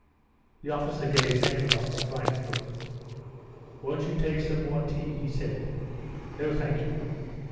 The officer gave Nekhludoff a frightened look. "Won't you take some more tea?" he said. "No, thank you."